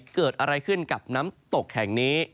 เกิดอะไรขึ้นกับน้ำตกแห่งนี้